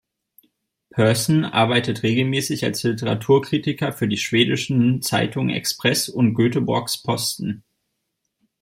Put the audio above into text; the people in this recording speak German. Persson arbeitet regelmäßig als Literaturkritiker für die schwedischen Zeitungen "Expressen" und "Göteborgs-Posten".